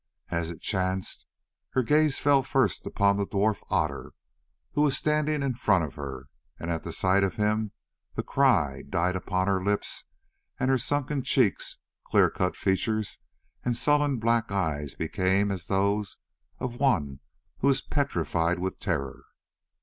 As it chanced, her gaze fell first upon the dwarf Otter, who was standing in front of her, and at the sight of him the cry died upon her lips, and her sunken cheeks, clear cut features, and sullen black eyes became as those of one who is petrified with terror.